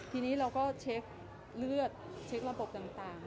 ทีนี้เราก็เช็คเลือดเช็คระบบต่าง